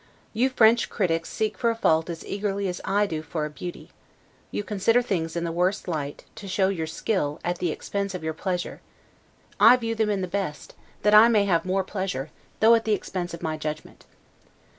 You French critics seek for a fault as eagerly as I do for a beauty: you consider things in the worst light, to show your skill, at the expense of your pleasure; I view them in the best, that I may have more pleasure, though at the expense of my judgment.